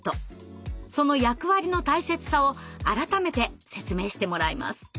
その役割の大切さを改めて説明してもらいます。